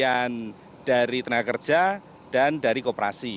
kemudian dari tenaga kerja dan dari koperasi